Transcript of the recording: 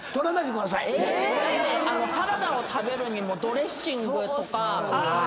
サラダを食べるにもドレッシングとか。